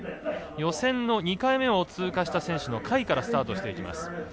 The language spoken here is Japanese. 予選の２回目を通過した選手の下位からスタートしていきます。